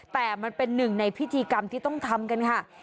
แต่มันเป็นหนึ่งในพิธีกรรมที่ต้องทำกันค่ะ